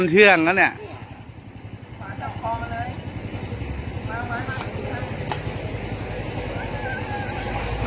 เป็นอาหารมาชาวรอบมือ